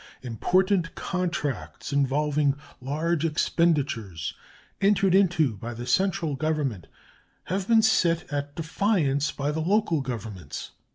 Important contracts, involving large expenditures, entered into by the central Government, have been set at defiance by the local governments.